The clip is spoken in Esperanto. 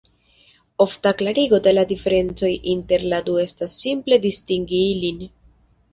Ofta klarigo de la diferencoj inter la du estas simple distingi ilin.